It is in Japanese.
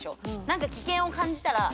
何か危険を感じたら。